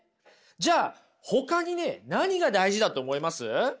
じゃあほかにね何が大事だと思います？